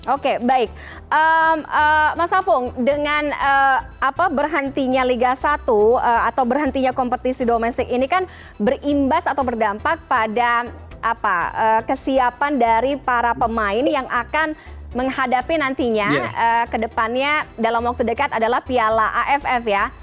oke baik mas apung dengan berhentinya liga satu atau berhentinya kompetisi domestik ini kan berimbas atau berdampak pada kesiapan dari para pemain yang akan menghadapi nantinya ke depannya dalam waktu dekat adalah piala aff ya